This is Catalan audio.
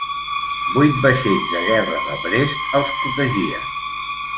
Vuit vaixells de guerra de Brest els protegien.